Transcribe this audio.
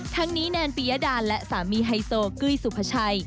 ทั้งนี้แนนปียดาและสามีไฮโซกุ้ยสุภาชัย